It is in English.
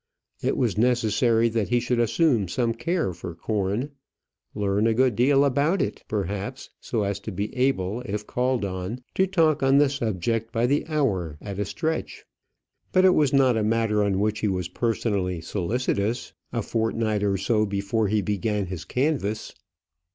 It was necessary that he should assume some care for corn learn a good deal about it, perhaps, so as to be able, if called on, to talk on the subject by the hour at a stretch; but it was not a matter on which he was personally solicitous a fortnight or so before he began his canvass.